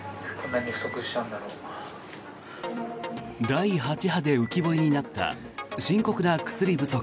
第８波で浮き彫りになった深刻な薬不足。